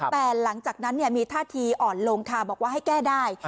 แต่หลังจากนั้นมีท่าทีอ่อนลงค่ะบอกว่าให้แก้ได้